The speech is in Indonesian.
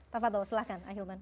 tafadzol silahkan ahilman